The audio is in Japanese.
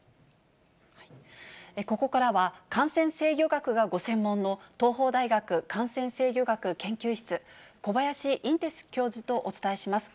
ここからは、感染制御学がご専門の、東邦大学感染制御学研究室、小林寅てつ教授とお伝えします。